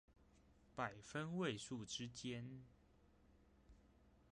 百分位數之間